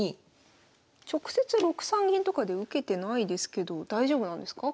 直接６三銀とかで受けてないですけど大丈夫なんですか？